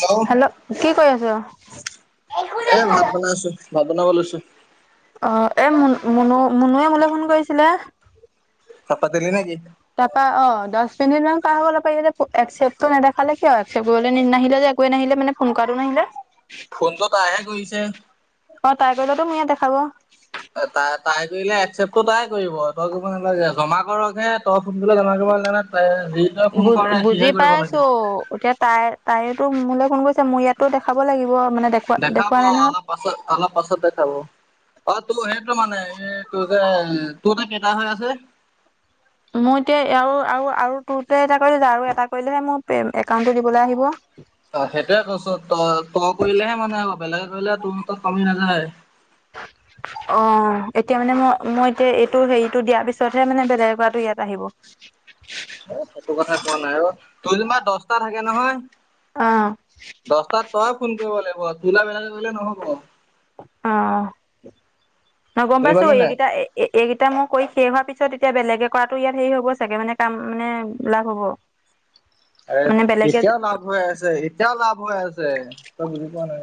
Hello কি কৰি আছ? এ ভাত বনাই আছো [unintelligible] বনাব লৈছে। অ' এই মুন মুনু মুনুৱে মোলে ফোন কৰিছিলে। তইপাতিলি নেকি? তাৰপা অ দহ মিনিটমান পাৰ হ'ল পাৰি যে একচেপ্টটো নেদেখালে কিয় একচেপ কৰিবলৈ নাহিলে যে একো নাহিলে মানে ফোন কৰাটো। কোন আহিছে। ফোনটো তাইহে কৰিছে। অ' টাই কৰিলেতো মোৰ ইয়াত দেখাব। তাই তাই কৰিলে একচেপ্টটো তাই কৰিব, তই কৰিব নালাগে, জমা কৰকহে তই ফোনবিলাক জমা কৰিব লাগে [unintelligible] ফোন বু কৰে বুজি সিহে কৰিব লাগে। টো মোলে ফোন কৰিছে, মোৰ ইয়াতো দেখাব লাগিব। মানে দেখুৱা দেখাব দেখুৱা নাই নহয়। অলপ পাছত অলপ পাছত দেখাব অ' তোৰ হেইটো এইটো মানে এইটো যে তোৰ ত কেইটা হৈ আছে। মই এতিয়া আৰু তোৰ এটা কৰিল আৰু এটা কৰিলেহে মোৰ একাউন্টটো দিবলৈ আহিব। অ' সেইটোয়ে কৈছ তই তই কৰিলেহে মানে বেলেগে কৰিলে তোৰ তাত কমি নাযায়। [inaudible] অ', এতিয়া মানে ম-মই এতিয়া এইটো-হেৰিটো দিয়াৰ পিছতহে মানে বেলেগ কৰাটো ইয়াত আহিব। [inaudible] এ সেইটো কথা কোৱা নাই অ'। তোৰ যেনিবা দছটা থাকে নহয় অ দছটাত তইএ ফোন কৰিব লাগিব। তোলে বেলেগে কৰিলে নহ'ব। অ', অ'। অহ, গম বুজি পাইছো পালি নাই এইকেইটা- এই-এই-এইকেইটা মই কৰি শেষ হোৱাৰ পিছত এতিয়া বেলেগে কৰাটো ইয়াত হেৰি হ'ব চাগে, মানে-কাম-মানে লাভ হ'ব। অই, মানে বেলেগে এতিয়াও লাভ হৈ আছে, এতিয়াও লাভ হৈ আছে, তই বুজি পোৱা নাই।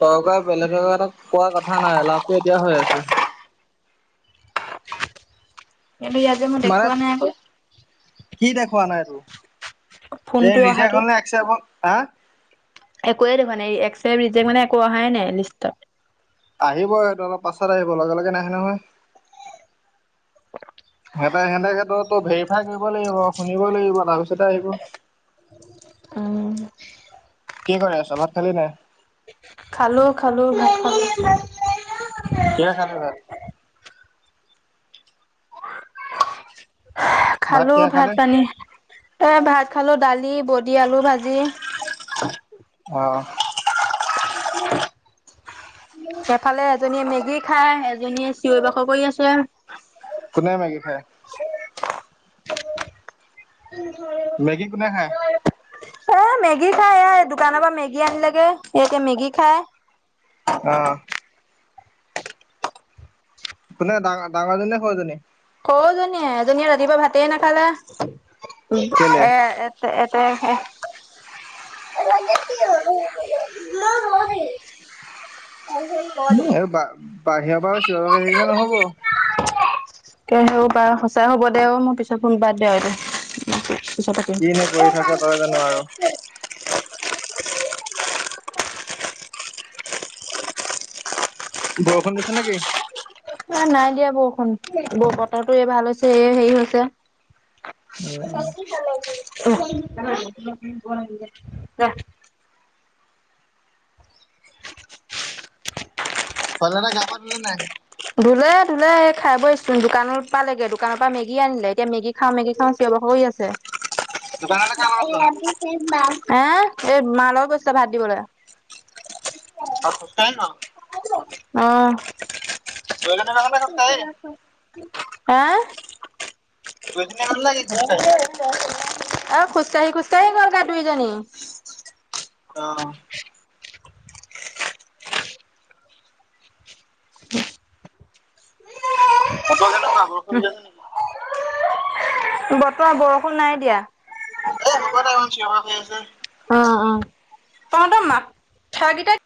তই কোৱা বেলেগে কোৱা তাত কোৱা কথা নাই, লাভটো এতিয়াও হৈ আছে। [inaudible] কিন্তু ইয়াত যে মই মানে, দেখুওৱা নাই আকৌ কি দেখুৱা নাই তোৰ? এই ফোনটো ৰিজেক অহাটো হ'ল নে, একছেপ হ'ল! হা? একোৱে দেখোৱা নাই, একচেপ ৰিজেক্ট মানে একো অহাই নাই লিষ্টত। আহিব সেটো, অলপ পাছত আহিব, লগে লগে নাহে নহয়। [inaudible] সিহঁতে-সিহঁতে সেটো তো ভেৰিফাই কৰিব লাগিব, শুনিব লাগিব, তাৰপিছতহে আহিব। আহ। কি কৰি আছ? ভাত খালি নাই? খালোঁ খালোঁ, ভাত খালোঁ। [unintelligible] কিহে খালি ভাত সে খালো কিহে ভাত খালি পানী, এ ভাত খালো ডালি বডি আলু ভাজি আহ। এফালে এজনীয়ে মেগী খায়, এজনীয়ে চিঞৰ বাখৰ কৰি আছে। কোনে মেগী খায় [unintelligible] মেগী কোনে খায়? এ মেগী খাই, এই দোকান অ পা মেগী আনিলেগে, এ এতিয়া মেগী খায়। অ'। কোনে? ডাঙ-ডাঙৰজনী নে সওজনী? সওজনীয়ে, এজনীয়ে ৰাতিপুৱা ভাতেই নাখালে। কেলে এ- এ- এ [unintelligible] [unintelligible] [unintelligible] এই বা-বাহিৰৰ পৰা আও চিঞৰি বাখই থাকিলে ন'হব। কে সেও বা সঁচাই হ'ব দে অ' মোৰ পিছত ফোন, বাদ দে আও এতিয়া। কিনো কৰি থাক তই জানো আৰু [unintelligible] [unintelligible] বৰষুণ দিছে নেকি? এ নাই দিয়া বৰষুণ, বতৰটো এই ভাল হৈছে, এই হেই হৈছে। [unintelligible] [unintelligible] ছোৱালীহঁতে গা পা ধুলেন নাই? ধুলে ধুলে। এ খাই ব'ই [unintelligible] দোকানৰ পালেগে, দোকানৰ পৰা মেগী আনিলে। এতিয়া মেগী খাওঁ মেগী খাওঁ চিঞঁৰ বাখৰ কৰি আ আছে দোকানলে কাৰ [unintelligible] লগত গ'ল এ, এই মা লগত গৈছিলে ভাত দিবলে'। অ' সচাই ন'? অ' দুয়োজনী যাওঁতে খোজকাঢ়ি [unintelligible] আ? দুয়োজনীয়ে গ'ল নেকি খোজকাঢ়ি [unintelligible] খোজকাঢ়ি খোজকাঢ়ি গ'ল যা দুইজনী। অ'। [inaudible] বতৰ কেনুকুৱা, বৰষুণ দি আছে নেকি? [unintelligible] বতৰ, বৰষুণ নাই দিয়া। এই হব দে অ', চিঞৰ-বাখৰ হৈ আছে। অ তহঁতৰ মা থা কিটা